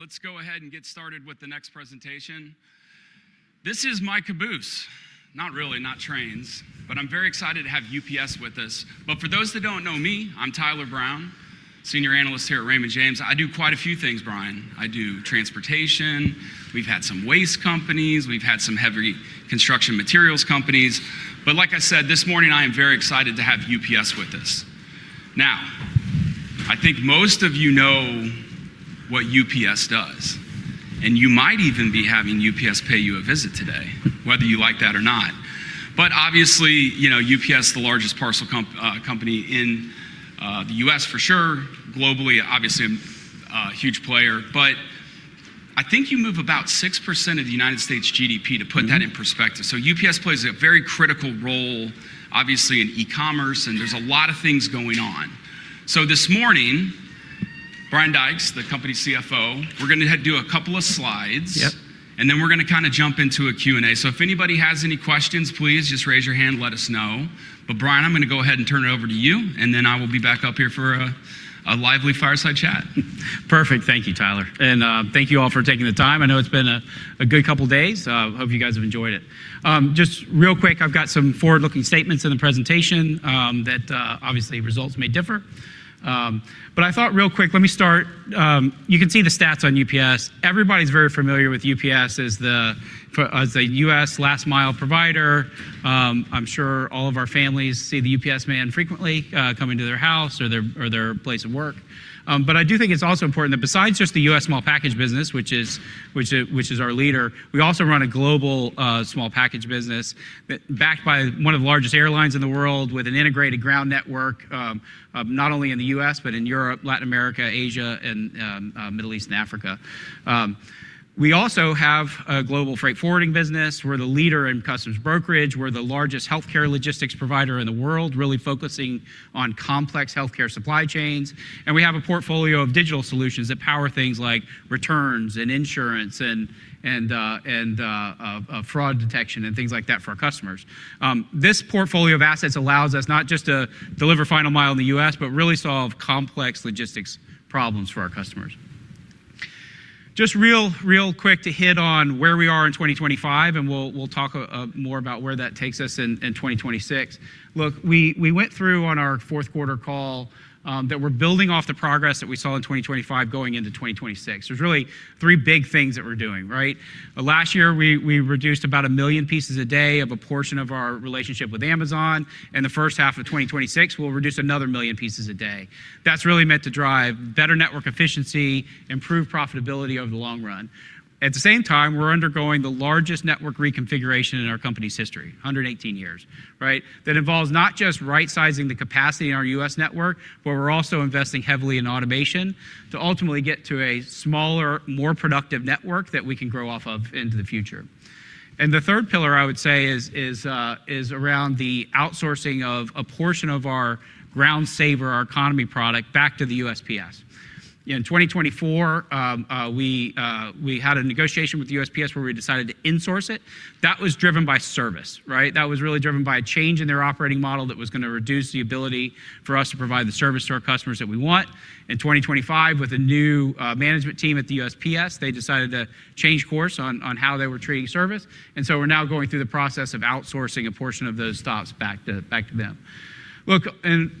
Let's go ahead and get started with the next presentation. This is my caboose. Not really, not trains. I'm very excited to have UPS with us. For those that don't know me, I'm Tyler Brown, Senior Analyst here at Raymond James. I do quite a few things, Brian. I do transportation. We've had some waste companies. We've had some heavy construction materials companies. Like I said, this morning I am very excited to have UPS with us. I think most of you know what UPS does, and you might even be having UPS pay you a visit today, whether you like that or not. Obviously, you know, UPS is the largest parcel company in the U.S. for sure. Globally, obviously, a huge player. I think you move about 6% of the United States GDP to put that in perspective. UPS plays a very critical role, obviously, in e-commerce, and there's a lot of things going on. This morning, , we're gonna do a couple of slides. Yep. Then we're gonna kinda jump into a Q&A. If anybody has any questions, please just raise your hand, let us know. Brian, I'm gonna go ahead and turn it over to you, and then I will be back up here for a lively fireside chat. Perfect. Thank you, Tyler. Thank you all for taking the time. I know it's been a good couple of days. Hope you guys have enjoyed it. Just real quick, I've got some forward-looking statements in the presentation that obviously results may differ. I thought real quick, let me start. You can see the stats on UPS. Everybody's very familiar with UPS as a U.S. last mile provider. I'm sure all of our families see the UPS man frequently coming to their house or their place of work. I do think it's also important that besides just the U.S. small package business, which is our leader, we also run a global small package business backed by one of the largest airlines in the world with an integrated ground network, not only in the U.S., but in Europe, Latin America, Asia, and Middle East and Africa. We also have a global freight forwarding business. We're the leader in customs brokerage. We're the largest healthcare logistics provider in the world, really focusing on complex healthcare supply chains. We have a portfolio of digital solutions that power things like returns and insurance and fraud detection and things like that for our customers. This portfolio of assets allows us not just to deliver final mile in the U.S., but really solve complex logistics problems for our customers. Just real quick to hit on where we are in 2025, we'll talk more about where that takes us in 2026. We went through on our Q4 call that we're building off the progress that we saw in 2025 going into 2026. There's really 3 big things that we're doing, right? Last year, we reduced about 1 million pieces a day of a portion of our relationship with Amazon. In the H1 of 2026, we'll reduce another 1 million pieces a day. That's really meant to drive better network efficiency, improve profitability over the long run. At the same time, we're undergoing the largest network reconfiguration in our company's history, 118 years, right? That involves not just right-sizing the capacity in our U.S. network, but we're also investing heavily in automation to ultimately get to a smaller, more productive network that we can grow off of into the future. The 3rd pillar I would say is around the outsourcing of a portion of our Ground Saver, our economy product back to the USPS. In 2024, we had a negotiation with the USPS where we decided to insource it. That was driven by service, right? That was really driven by a change in their operating model that was gonna reduce the ability for us to provide the service to our customers that we want. In 2025, with a new management team at the USPS, they decided to change course on how they were treating service. We're now going through the process of outsourcing a portion of those stops back to them. Look,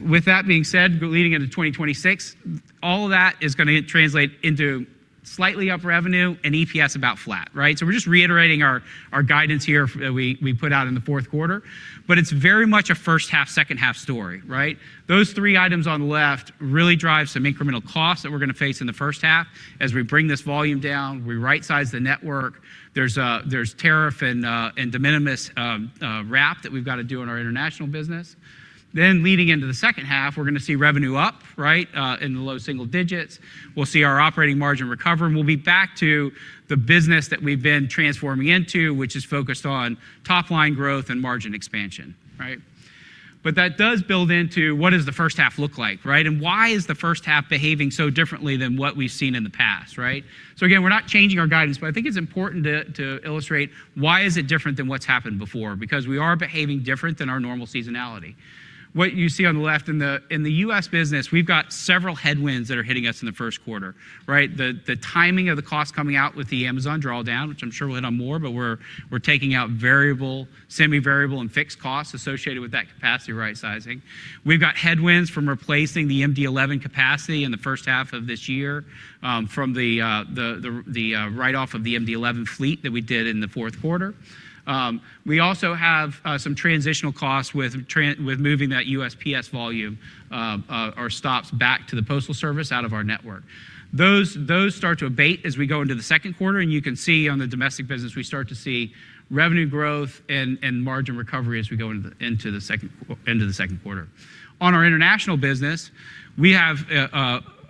with that being said, leading into 2026, all of that is gonna translate into slightly up revenue and EPS about flat, right? We're just reiterating our guidance here that we put out in the Q4. It's very much a H1, H2 story, right? Those 3 items on the left really drive some incremental costs that we're gonna face in the H1 as we bring this volume down, we right-size the network. There's tariff and de minimis wrap that we've got to do in our international business. Leading into the H2, we're gonna see revenue up, right, in the low single digits. We'll see our operating margin recover, and we'll be back to the business that we've been transforming into, which is focused on top-line growth and margin expansion, right? That does build into what does the H1 look like, right? Why is the H1 behaving so differently than what we've seen in the past, right? Again, we're not changing our guidance, but I think it's important to illustrate why is it different than what's happened before? We are behaving different than our normal seasonality. What you see on the left in the U.S. business, we've got several headwinds that are hitting us in the Q1, right? The timing of the cost coming out with the Amazon draw down, which I'm sure we'll hit on more, but we're taking out variable, semi-variable, and fixed costs associated with that capacity right-sizing. We've got headwinds from replacing the MD-11 capacity in the H1 of this year from the write-off of the MD-11 fleet that we did in the Q4. We also have some transitional costs with moving that USPS volume or stops back to the postal service out of our network. Those start to abate as we go into the Q2, and you can see on the domestic business, we start to see revenue growth and margin recovery as we go into the Q2. On our international business, we have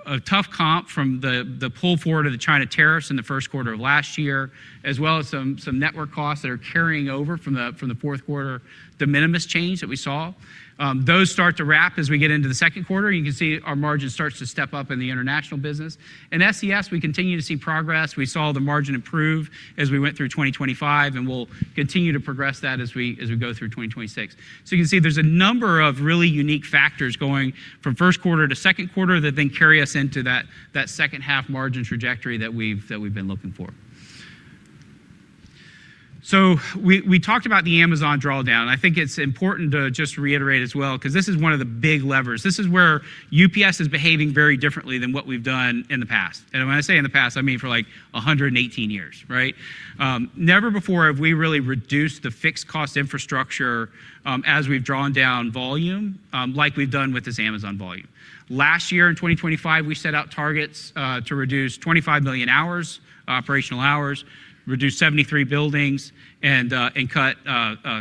a tough comp from the pull forward of the China tariffs in the Q1 of last year, as well as some network costs that are carrying over from the Q4, the de minimis change that we saw. Those start to wrap as we get into the Q2. You can see our margin starts to step up in the international business. In SCS, we continue to see progress. We saw the margin improve as we went through 2025, and we'll continue to progress that as we go through 2026. You can see there's a number of really unique factors going from Q1 to Q2 that then carry us into that H2 margin trajectory that we've been looking for. We talked about the Amazon drawdown. I think it's important to just reiterate as well, 'cause this is one of the big levers. This is where UPS is behaving very differently than what we've done in the past. When I say in the past, I mean for like 118 years, right? Never before have we really reduced the fixed cost infrastructure, as we've drawn down volume, like we've done with this Amazon volume. Last year in 2025, we set out targets to reduce 25 million hours, operational hours, reduce 73 buildings and cut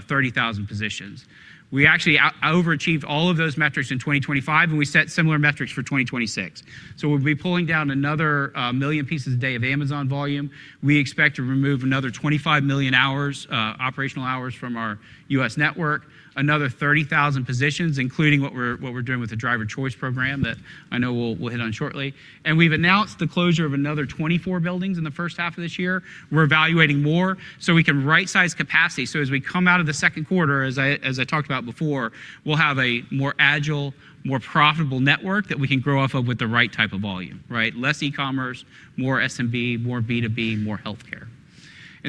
30,000 positions. We actually overachieved all of those metrics in 2025, and we set similar metrics for 2026. We'll be pulling down another million pieces a day of Amazon volume. We expect to remove another 25 million hours, operational hours from our U.S. network, another 30,000 positions, including what we're doing with the Driver Choice Program that I know we'll hit on shortly. We've announced the closure of another 24 buildings in the H1 of this year. We're evaluating more so we can right-size capacity. As we come out of the Q2, as I talked about before, we'll have a more agile, more profitable network that we can grow off of with the right type of volume, right? Less e-commerce, more SMB, more B2B, more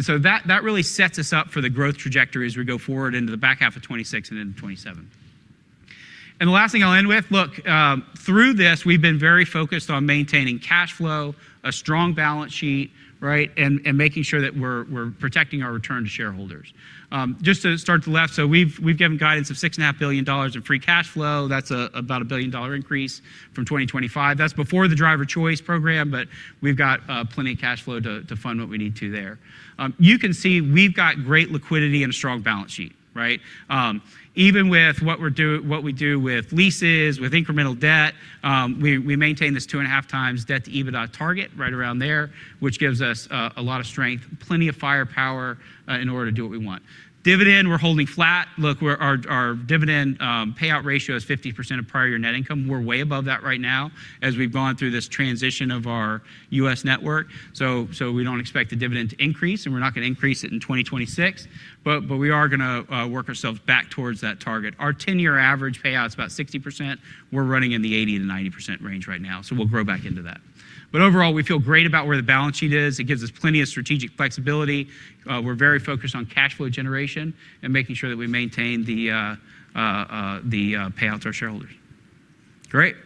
healthcare. That really sets us up for the growth trajectory as we go forward into the back half of 2026 and into 2027. The last thing I'll end with, look, through this, we've been very focused on maintaining cash flow, a strong balance sheet, right? Making sure that we're protecting our return to shareholders. Just to start to the left, we've given guidance of six and a half billion dollars of free cash flow. That's about a billion-dollar increase from 2025. That's before the Driver Choice Program. We've got plenty of cash flow to fund what we need to there. You can see we've got great liquidity and a strong balance sheet, right? Even with what we do with leases, with incremental debt, we maintain this 2.5 times debt-to-EBITDA target right around there, which gives us a lot of strength, plenty of firepower, in order to do what we want. Dividend, we're holding flat. Look, our dividend payout ratio is 50% of prior year net income. We're way above that right now as we've gone through this transition of our U.S. network. We don't expect the dividend to increase, and we're not gonna increase it in 2026, but we are gonna work ourselves back towards that target. Our 10-year average payout's about 60%. We're running in the 80%-90% range right now, so we'll grow back into that. Overall, we feel great about where the balance sheet is. It gives us plenty of strategic flexibility. We're very focused on cash flow generation and making sure that we maintain the payouts to our shareholders. Great.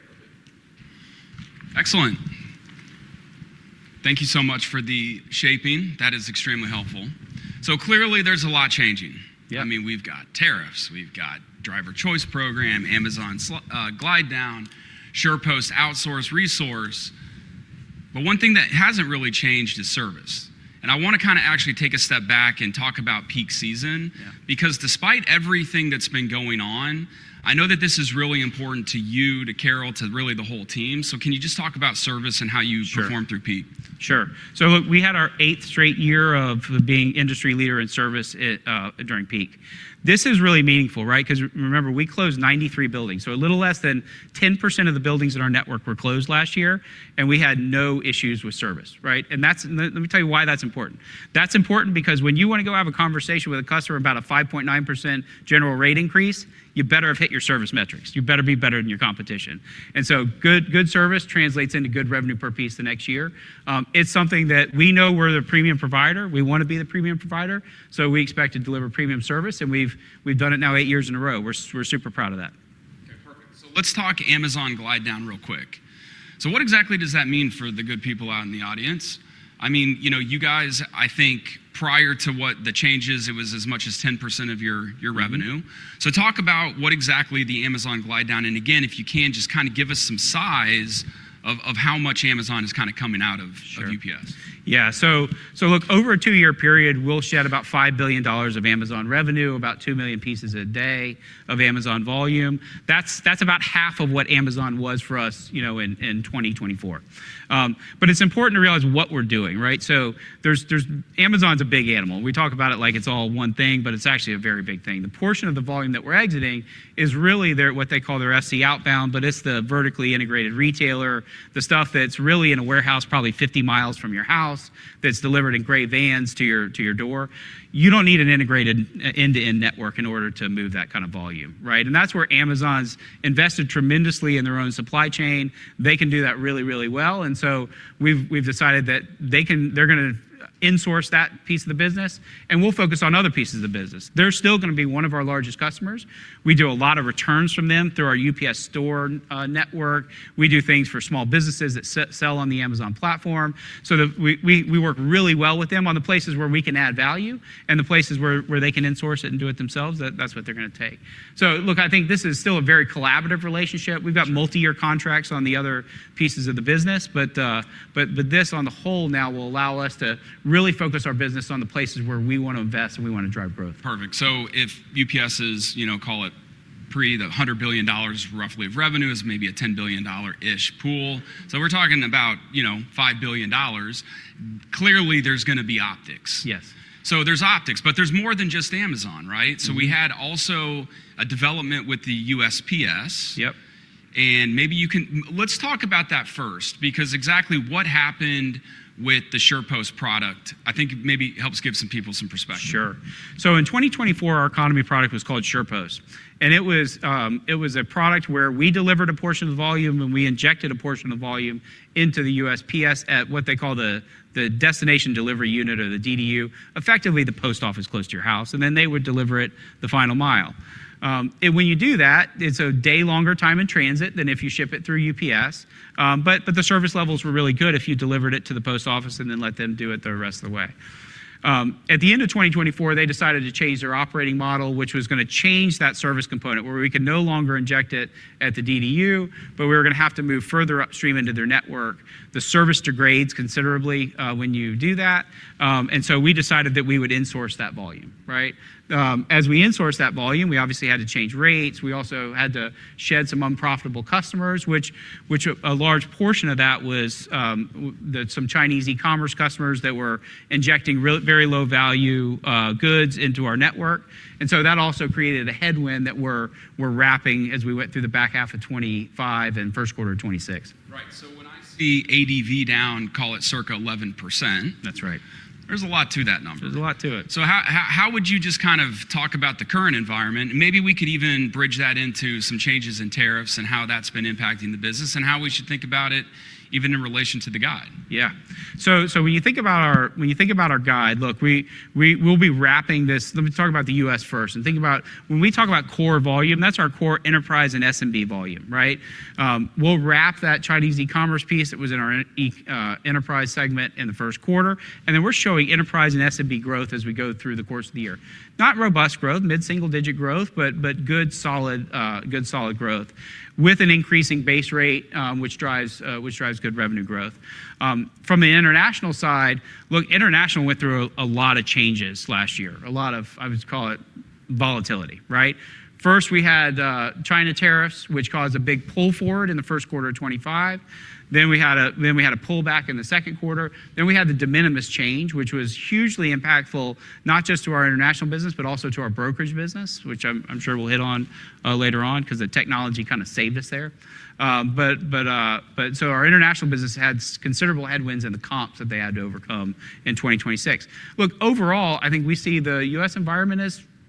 Excellent. Thank you so much for the shaping. That is extremely helpful. Clearly there's a lot changing. Yeah. I mean, we've got tariffs, we've got Driver Choice Program, Amazon glide down, SurePost, outsource, resource. One thing that hasn't really changed is service. I want to kind of actually take a step back and talk about peak season. Yeah. Because despite everything that's been going on, I know that this is really important to you, to Carol, to really the whole team. Can you just talk about service? Sure. perform through peak? Sure. We had our 8th straight year of being industry leader in service at, during peak. This is really meaningful, right? 'Cause remember, we closed 93 buildings, so a little less than 10% of the buildings in our network were closed last year, and we had no issues with service, right? That's Let me tell you why that's important. That's important because when you wanna go have a conversation with a customer about a 5.9% General Rate Increase, you better have hit your service metrics. You better be better than your competition. Good service translates into good revenue per piece the next year. It's something that we know we're the premium provider. We wanna be the premium provider, so we expect to deliver premium service, and we've done it now 8 years in a row. We're super proud of that. Okay, perfect. Let's talk Amazon glide down real quick. What exactly does that mean for the good people out in the audience? I mean, you know, you guys, I think prior to what the changes, it was as much as 10% of your revenue. Mm-hmm. Talk about what exactly the Amazon glide down, and again, if you can, just kind of give us some size of how much Amazon is kind of coming out of? Sure. -UPS. Look, over a 2-year period, we'll shed about $5 billion of Amazon revenue, about 2 million pieces a day of Amazon volume. That's about half of what Amazon was for us, you know, in 2024. It's important to realize what we're doing, right? Amazon's a big animal. We talk about it like it's all one thing, but it's actually a very big thing. The portion of the volume that we're exiting is really their, what they call their FC outbound, but it's the vertically integrated retailer, the stuff that's really in a warehouse probably 50 miles from your house, that's delivered in gray vans to your, to your door. You don't need an integrated end-to-end network in order to move that kind of volume, right? That's where Amazon's invested tremendously in their own supply chain. They can do that really, really well. We've decided that they're gonna insource that piece of the business, and we'll focus on other pieces of the business. They're still gonna be one of our largest customers. We do a lot of returns from them through our The UPS Store network. We do things for small businesses that sell on the Amazon platform. We work really well with them on the places where we can add value and the places where they can insource it and do it themselves, that's what they're gonna take. Look, I think this is still a very collaborative relationship. Sure. We've got multi-year contracts on the other pieces of the business, but this on the whole now will allow us to really focus our business on the places where we wanna invest and we wanna drive growth. Perfect. If UPS is, you know, call it pre the $100 billion roughly of revenue is maybe a $10 billion-ish pool. We're talking about, you know, $5 billion. Clearly there's gonna be optics. Yes. There's optics, but there's more than just Amazon, right? Mm-hmm. We had also a development with the USPS. Yep. Let's talk about that first because exactly what happened with the UPS SurePost product, I think maybe helps give some people some perspective. In 2024, our economy product was called SurePost, and it was a product where we delivered a portion of volume, and we injected a portion of volume into the USPS at what they call the Destination Delivery Unit or the DDU, effectively the post office close to your house, and then they would deliver it the final mile. And when you do that, it's a day longer time in transit than if you ship it through UPS. But the service levels were really good if you delivered it to the post office and then let them do it the rest of the way. At the end of 2024, they decided to change their operating model, which was gonna change that service component, where we could no longer inject it at the DDU, but we were gonna have to move further upstream into their network. The service degrades considerably when you do that. We decided that we would insource that volume, right? As we insourced that volume, we obviously had to change rates. We also had to shed some unprofitable customers, which a large portion of that was some Chinese e-commerce customers that were injecting very low value goods into our network. That also created a headwind that we're wrapping as we went through the back half of 2025 and Q1 of 2026. Right. when I see ADV down, call it circa 11%- That's right. There's a lot to that number. There's a lot to it. How would you just kind of talk about the current environment? Maybe we could even bridge that into some changes in tariffs and how that's been impacting the business and how we should think about it even in relation to the guide. Yeah. When you think about our guide, look, we'll be wrapping this. Let me talk about the U.S. first and think about when we talk about core volume, that's our core enterprise and SMB volume, right? We'll wrap that Chinese e-commerce piece that was in our enterprise segment in the Q1, and then we're showing enterprise and SMB growth as we go through the course of the year. Not robust growth, mid-single-digit growth, but good solid growth with an increasing base rate, which drives good revenue growth. From the international side, look, international went through a lot of changes last year, a lot of, I would call it volatility, right? First, we had China tariffs, which caused a big pull forward in the Q1 of 2025. We had a pullback in the Q2. We had the de minimis change, which was hugely impactful, not just to our international business, but also to our brokerage business, which I'm sure we'll hit on later on because the technology kind of saved us there. Our international business had considerable headwinds in the comps that they had to overcome in 2026. Look, overall, I think we see the U.S. environment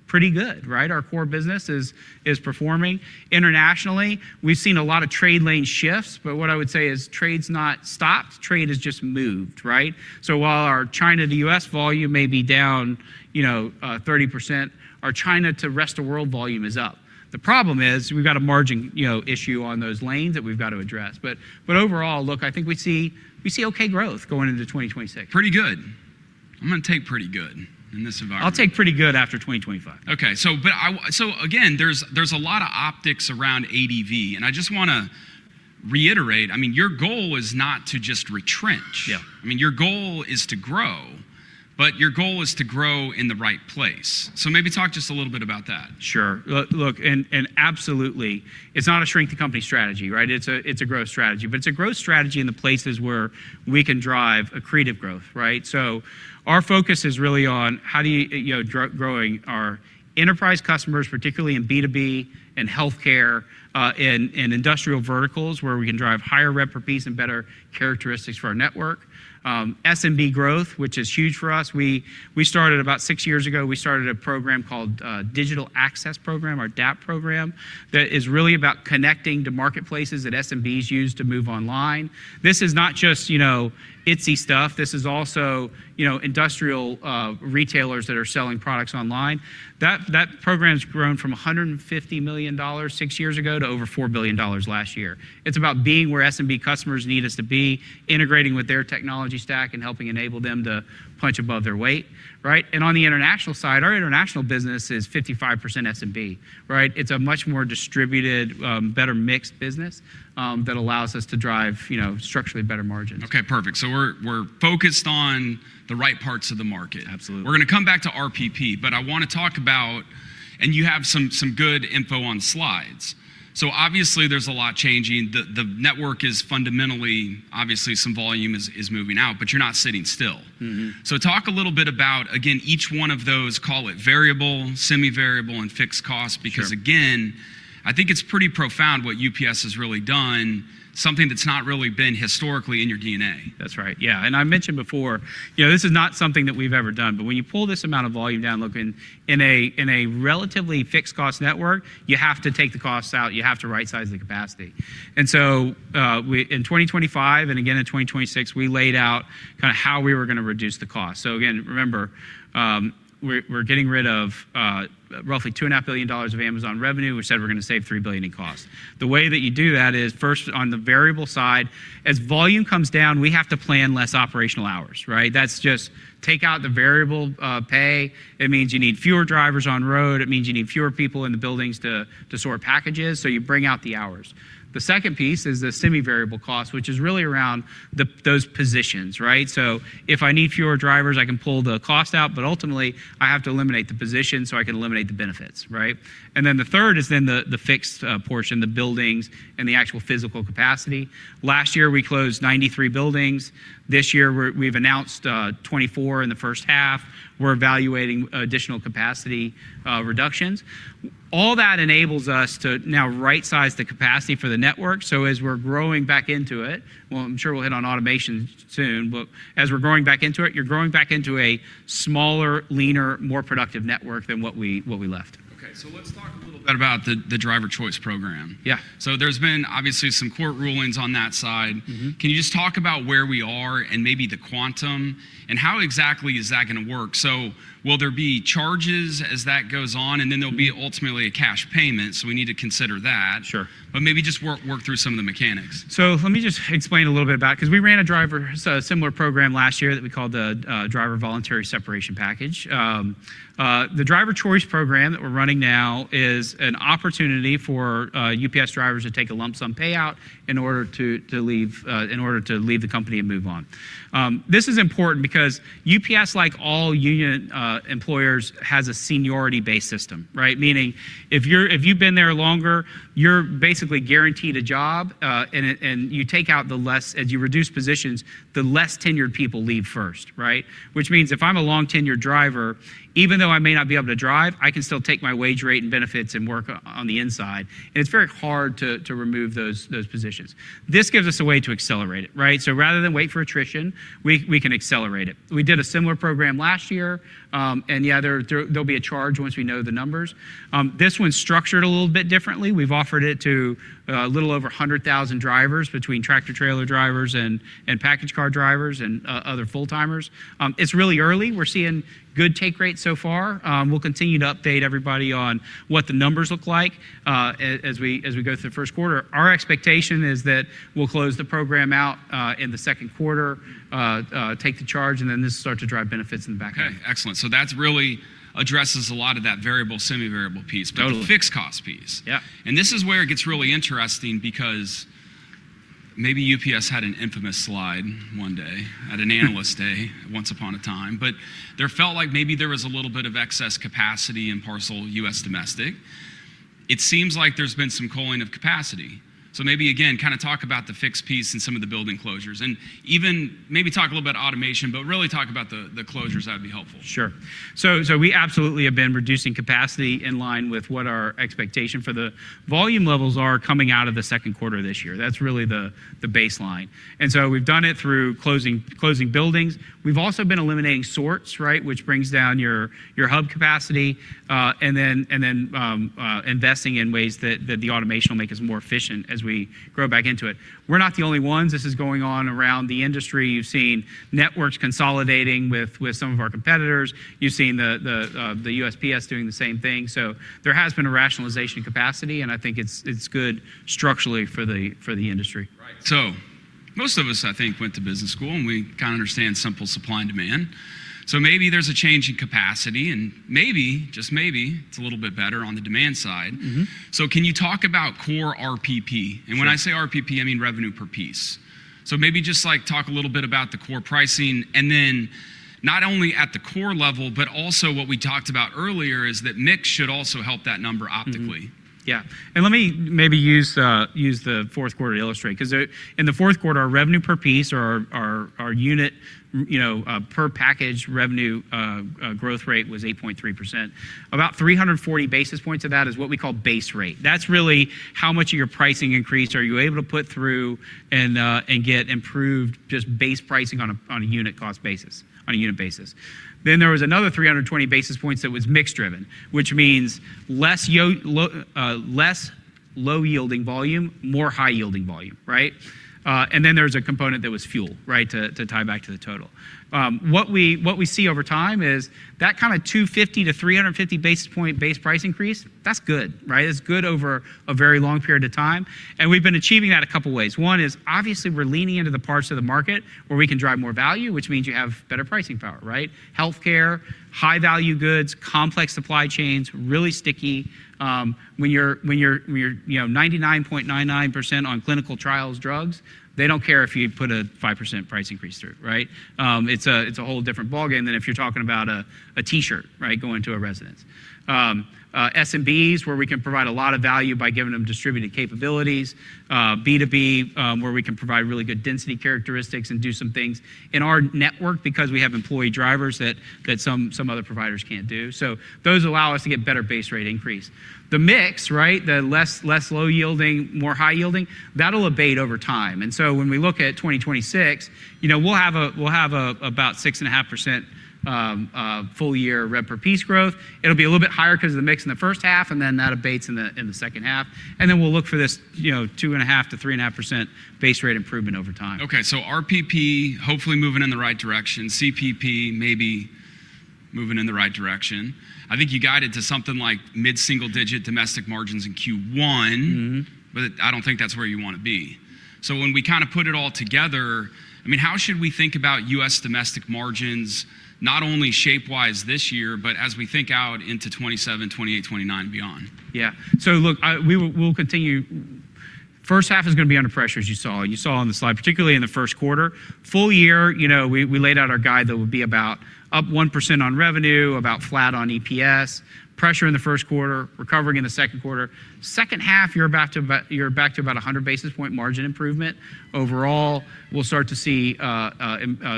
as pretty good, right? Our core business is performing. Internationally, we've seen a lot of trade lane shifts, but what I would say is trade's not stopped, trade has just moved, right? While our China to U.S. volume may be down 30%, our China to rest of world volume is up. The problem is we've got a margin, you know, issue on those lanes that we've got to address. Overall, look, I think we see okay growth going into 2026. Pretty good. I'm gonna take pretty good in this environment. I'll take pretty good after 2025. Again, there's a lot of optics around ADV, and I just wanna reiterate, I mean, your goal is not to just retrench. Yeah. I mean, your goal is to grow, but your goal is to grow in the right place. Maybe talk just a little bit about that. Sure. Look, absolutely, it's not a shrink to company strategy, right? It's a growth strategy, but it's a growth strategy in the places where we can drive accretive growth, right? Our focus is really on how do you know, growing our enterprise customers, particularly in B2B and healthcare, in industrial verticals where we can drive higher rev per piece and better characteristics for our network. SMB growth, which is huge for us. We started about 6 years ago, we started a program called Digital Access Program or DAP program, that is really about connecting to marketplaces that SMBs use to move online. This is not just, you know, Etsy stuff. This is also, you know, industrial retailers that are selling products online. That program's grown from $150 million 6 years ago to over $4 billion last year. It's about being where SMB customers need us to be, integrating with their technology stack, and helping enable them to punch above their weight, right? On the international side, our international business is 55% SMB, right? It's a much more distributed, better mixed business that allows us to drive, you know, structurally better margins. Okay, perfect. We're focused on the right parts of the market. Absolutely. We're gonna come back to RPP. You have some good info on slides. Obviously, there's a lot changing. Obviously, some volume is moving out, but you're not sitting still. Mm-hmm. Talk a little bit about, again, each one of those, call it variable, semi-variable, and fixed costs. Sure. Again, I think it's pretty profound what UPS has really done, something that's not really been historically in your DNA. That's right. Yeah. I mentioned before, you know, this is not something that we've ever done, but when you pull this amount of volume down, look, in a relatively fixed cost network, you have to take the costs out. You have to rightsize the capacity. In 2025, and again in 2026, we laid out kinda how we were gonna reduce the cost. Again, remember, we're getting rid of roughly $2.5 billion of Amazon revenue. We said we're gonna save $3 billion in cost. The way that you do that is, first, on the variable side, as volume comes down, we have to plan less operational hours, right? That's just take out the variable pay. It means you need fewer drivers on road. It means you need fewer people in the buildings to sort packages, you bring out the hours. The second piece is the semi-variable cost, which is really around those positions, right? If I need fewer drivers, I can pull the cost out, but ultimately, I have to eliminate the position, I can eliminate the benefits, right? The third is then the fixed portion, the buildings and the actual physical capacity. Last year, we closed 93 buildings. This year, we've announced 24 in the H1. We're evaluating additional capacity reductions. All that enables us to now rightsize the capacity for the network, as we're growing back into it, Well, I'm sure we'll hit on automation soon, but as we're growing back into it, you're growing back into a smaller, leaner, more productive network than what we left. What about the Driver Choice Program? Yeah. There's been obviously some court rulings on that side. Mm-hmm. Can you just talk about where we are and maybe the quantum, and how exactly is that gonna work? Will there be charges as that goes on? Then there'll be ultimately a cash payment, so we need to consider that. Sure. Maybe just work through some of the mechanics. Let me just explain a little bit about, 'cause we ran a driver, so a similar program last year that we called the Driver Voluntary Separation Program. The Driver Choice program that we're running now is an opportunity for UPS drivers to take a lump sum payout in order to leave the company and move on. This is important because UPS, like all union employers, has a seniority-based system, right? Meaning if you've been there longer, you're basically guaranteed a job, and as you reduce positions, the less tenured people leave first, right? Which means if I'm a long-tenured driver, even though I may not be able to drive, I can still take my wage rate and benefits and work on the inside, it's very hard to remove those positions. This gives us a way to accelerate it, right? Rather than wait for attrition, we can accelerate it. We did a similar program last year, and yeah, there'll be a charge once we know the numbers. This one's structured a little bit differently. We've offered it to a little over 100,000 drivers between tractor-trailer drivers and package car drivers and other full-timers. It's really early. We're seeing good take rates so far. We'll continue to update everybody on what the numbers look like as we go through the Q1. Our expectation is that we'll close the program out, in the Q2, take the charge, and then this will start to drive benefits in the back end. Okay. Excellent. That's really addresses a lot of that variable, semi-variable piece. Totally. The fixed cost piece. Yeah. This is where it gets really interesting because maybe UPS had an infamous slide one day at an analyst day once upon a time, but there felt like maybe there was a little bit of excess capacity in parcel U.S. domestic. It seems like there's been some culling of capacity. Maybe again, kind of talk about the fixed piece and some of the building closures, and even maybe talk a little about automation, but really talk about the closures. That'd be helpful. Sure. We absolutely have been reducing capacity in line with what our expectation for the volume levels are coming out of the Q2 this year. That's really the baseline. We've done it through closing buildings. We've also been eliminating sorts, right? Which brings down your hub capacity, and then investing in ways that the automation will make us more efficient as we grow back into it. We're not the only ones. This is going on around the industry. You've seen networks consolidating with some of our competitors. You've seen the USPS doing the same thing. There has been a rationalization capacity, and I think it's good structurally for the industry. Right. Most of us, I think, went to business school, and we kind of understand simple supply and demand. Maybe there's a change in capacity and maybe, just maybe it's a little bit better on the demand side. Mm-hmm. Can you talk about core RPP? Sure. When I say RPP, I mean revenue per piece. Maybe just like talk a little bit about the core pricing and then not only at the core level, but also what we talked about earlier is that mix should also help that number optically. Yeah. Let me maybe use the Q4 to illustrate 'cause in the Q4, our revenue per piece or our, our unit, you know, per package revenue growth rate was 8.3%. About 340 basis points of that is what we call base rate. That's really how much of your pricing increase are you able to put through and get improved just base pricing on a unit cost basis, on a unit basis. There was another 320 basis points that was mix-driven, which means less low-yielding volume, more high-yielding volume, right? There's a component that was fuel, right? To tie back to the total. What we see over time is that kind of 250 to 350 basis point base price increase, that's good, right? That's good over a very long period of time. We've been achieving that a couple ways. One is obviously we're leaning into the parts of the market where we can drive more value, which means you have better pricing power, right? Healthcare, high-value goods, complex supply chains, really sticky. When you're, you know, 99.99% on clinical trials drugs, they don't care if you put a 5% price increase through, right? It's a whole different ballgame than if you're talking about a T-shirt, right? Going to a residence. SMBs where we can provide a lot of value by giving them distributed capabilities, B2B, where we can provide really good density characteristics and do some things in our network because we have employee drivers that some other providers can't do. Those allow us to get better base rate increase. The mix, right? The less low-yielding, more high-yielding, that'll abate over time. When we look at 2026, you know, we'll have about 6.5%, full year rev per piece growth. It'll be a little bit higher 'cause of the mix in the H1, and then that abates in the H2. Then we'll look for this, you know, 2.5%-3.5% base rate improvement over time. RPP hopefully moving in the right direction. CPP maybe moving in the right direction. I think you guided to something like mid-single digit domestic margins in Q1. Mm-hmm. I don't think that's where you wanna be. When we kind of put it all together, I mean, how should we think about U.S. domestic margins, not only shape-wise this year, but as we think out into 2027, 2028, 2029 and beyond? Yeah. Look, we'll continue. H1 is gonna be under pressure as you saw. You saw on the slide, particularly in the Q1. Full year, you know, we laid out our guide that would be about up 1% on revenue, about flat on EPS, pressure in the Q1, recovering in the Q2. H2, you're back to about a 100 basis point margin improvement. Overall, we'll start to see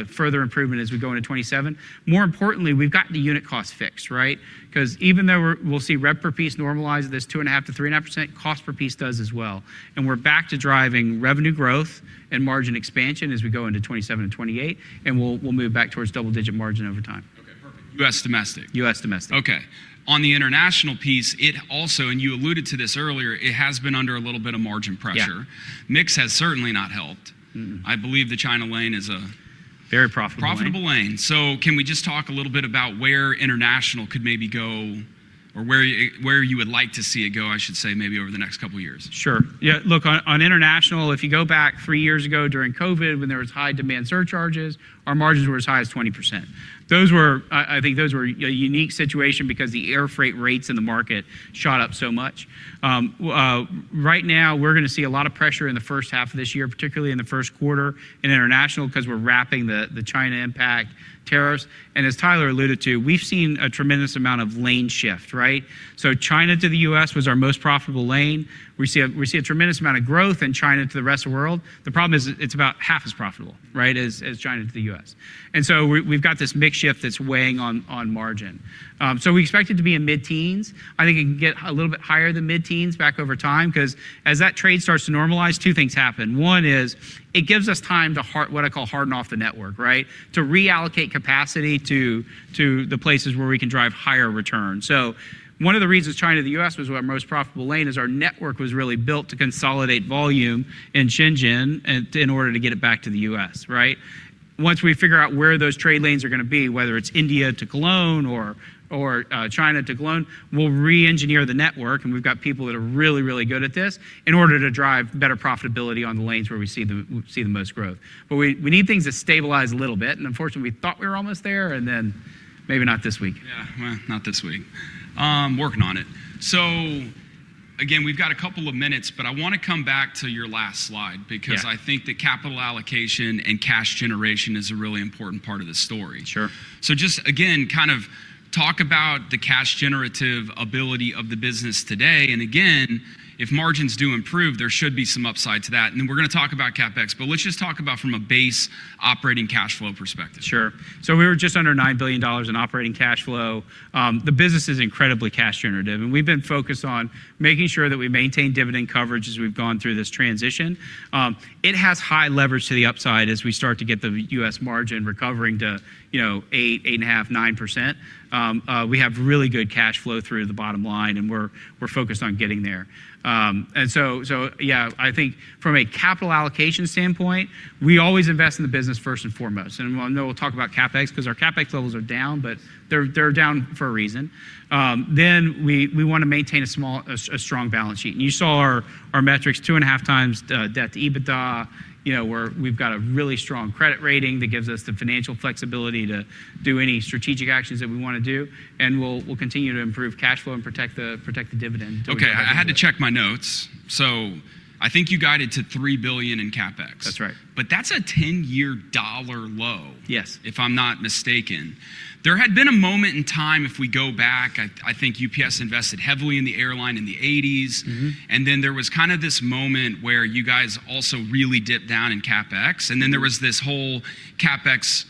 further improvement as we go into 2027. More importantly, we've got the unit cost fixed, right? 'Cause even though we'll see rev per piece normalize this 2.5%-3.5%, cost per piece does as well. We're back to driving revenue growth and margin expansion as we go into 2027 and 2028, and we'll move back towards double-digit margin over time. Okay. Perfect. U.S. domestic. U.S. domestic. Okay. On the international piece, it also, and you alluded to this earlier, it has been under a little bit of margin pressure. Yeah. Mix has certainly not helped. Mm-mm. I believe the China lane is. Very profitable lane. Profitable lane. Can we just talk a little bit about where international could maybe go or where you would like to see it go, I should say, maybe over the next couple of years? Sure. Look, on international, if you go back 3 years ago during COVID, when there was high demand surcharges, our margins were as high as 20%. I think those were a unique situation because the air freight rates in the market shot up so much. Right now, we're gonna see a lot of pressure in the H1 of this year, particularly in the Q1 in international 'cause we're wrapping the China impact tariffs. As Tyler alluded to, we've seen a tremendous amount of lane shift, right? China to the U.S. was our most profitable lane. We see a tremendous amount of growth in China to the rest of the world. The problem is it's about half as profitable, right, as China to the U.S. We've got this mix shift that's weighing on margin. We expect it to be in mid-teens. I think it can get a little bit higher than mid-teens back over time, 'cause as that trade starts to normalize, 2 things happen. One is it gives us time to what I call harden off the network, right? To reallocate capacity to the places where we can drive higher returns. One of the reasons China to the U.S. was our most profitable lane is our network was really built to consolidate volume in Shenzhen in order to get it back to the U.S., right? Once we figure out where those trade lanes are gonna be, whether it's India to Cologne or China to Cologne, we'll re-engineer the network, and we've got people that are really, really good at this, in order to drive better profitability on the lanes where we see the most growth. We, we need things to stabilize a little bit. Unfortunately, we thought we were almost there, and then maybe not this week. Yeah. Well, not this week. working on it. Again, we've got a couple of minutes, but I wanna come back to your last slide. Yeah. I think the capital allocation and cash generation is a really important part of the story. Sure. Just again, kind of talk about the cash generative ability of the business today. Again, if margins do improve, there should be some upside to that. Then we're gonna talk about CapEx. Let's just talk about from a base operating cash flow perspective. Sure. We were just under $9 billion in operating cash flow. The business is incredibly cash generative, and we've been focused on making sure that we maintain dividend coverage as we've gone through this transition. It has high leverage to the upside as we start to get the U.S. margin recovering to, you know, 8 and a half, 9%. We have really good cash flow through the bottom line, and we're focused on getting there. Yeah, I think from a capital allocation standpoint, we always invest in the business first and foremost. I know we'll talk about CapEx because our CapEx levels are down, but they're down for a reason. Then we wanna maintain a strong balance sheet. You saw our metrics 2.5x debt to EBITDA. You know, we've got a really strong credit rating that gives us the financial flexibility to do any strategic actions that we wanna do, and we'll continue to improve cash flow and protect the dividend. Okay, I had to check my notes. I think you guided to $3 billion in CapEx. That's right. that's a 10-year dollar low. Yes ...if I'm not mistaken. There had been a moment in time, if we go back, I think UPS invested heavily in the airline in the 1980s. Mm-hmm. There was kind of this moment where you guys also really dipped down in CapEx. Mm-hmm. there was this whole CapEx,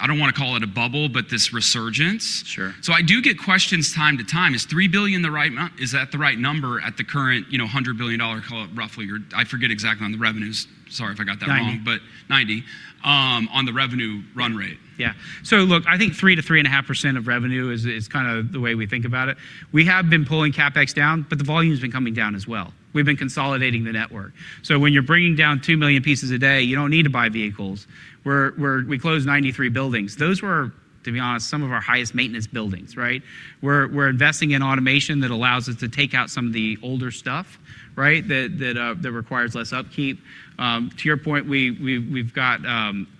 I don't wanna call it a bubble, but this resurgence. Sure. I do get questions time to time. Is that the right number at the current, you know, $100 billion, call it roughly, or I forget exactly on the revenues? Sorry if I got that wrong. 90. 90, on the revenue run rate. Look, I think 3% to 3.5% of revenue is kinda the way we think about it. We have been pulling CapEx down, the volume's been coming down as well. We've been consolidating the network. When you're bringing down 2 million pieces a day, you don't need to buy vehicles. We closed 93 buildings. Those were, to be honest, some of our highest maintenance buildings, right? We're investing in automation that allows us to take out some of the older stuff, right, that that requires less upkeep. To your point, we've got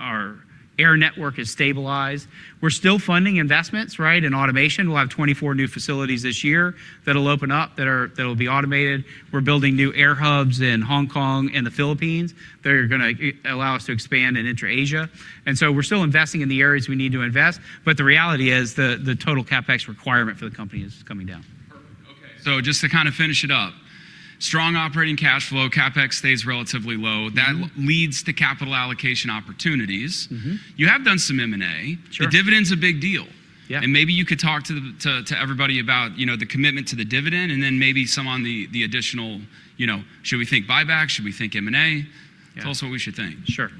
our air network is stabilized. We're still funding investments, right, in automation. We'll have 24 new facilities this year that'll open up that'll be automated. We're building new air hubs in Hong Kong and the Philippines that are gonna allow us to expand and enter Asia. We're still investing in the areas we need to invest. The reality is the total CapEx requirement for the company is coming down. Perfect. Okay. just to kind of finish it up. Strong operating cash flow, CapEx stays relatively low. Mm-hmm. That leads to capital allocation opportunities. Mm-hmm. You have done some M&A. Sure. The dividend's a big deal. Yeah. Maybe you could talk to everybody about, you know, the commitment to the dividend and then maybe some on the additional, you know, should we think buyback? Should we think M&A? Yeah. Tell us what we should think. Sure.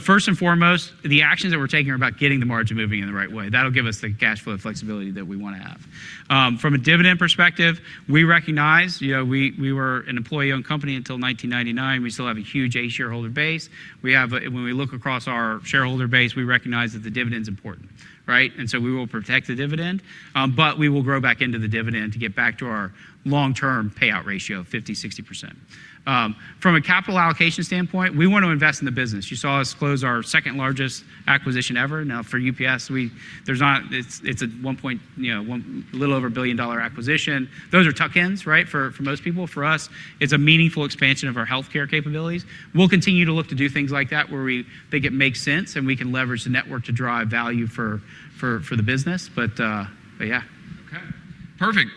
First and foremost, the actions that we're taking are about getting the margin moving in the right way. That'll give us the cash flow flexibility that we wanna have. From a dividend perspective, we recognize, you know, we were an employee-owned company until 1999. We still have a huge A shareholder base. When we look across our shareholder base, we recognize that the dividend's important, right? We will protect the dividend, but we will grow back into the dividend to get back to our long-term payout ratio of 50% to 60%. From a capital allocation standpoint, we want to invest in the business. You saw us close our second-largest acquisition ever. Now, for UPS, it's a $1.1 billion acquisition. Those are tuck-ins, right, for most people. For us, it's a meaningful expansion of our healthcare capabilities. We'll continue to look to do things like that where we think it makes sense, and we can leverage the network to drive value for the business. But yeah. Okay. Perfect.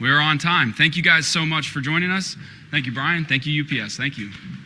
We're on time. Thank you guys so much for joining us. Thank you, Brian. Thank you, UPS. Thank you. Thanks.